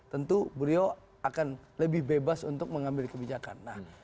tentu beliau akan lebih bebas untuk mengambil kebijakan